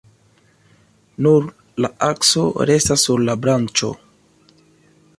Nur la akso restas sur la branĉo.